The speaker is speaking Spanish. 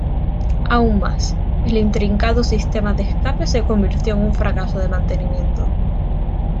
Aún más, el intrincado sistema de escape se convirtió en un fracaso de mantenimiento.